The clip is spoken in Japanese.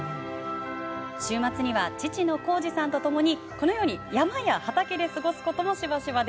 週末には父の紘二さんとともに山や畑で過ごすこともしばしば。